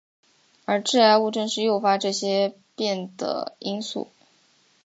而致癌物正是诱发这些变的因素。